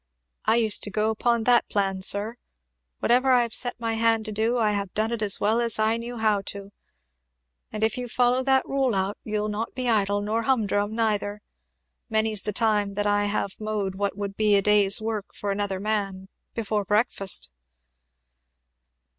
I used to go upon that plan, sir. Whatever I have set my hand to do, I have done it as well as I knew how to; and if you follow that rule out you'll not be idle, nor hum drum neither. Many's the time that I have mowed what would be a day's work for another man, before breakfast."